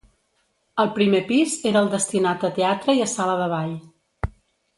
El primer pis era el destinat a teatre i a sala de ball.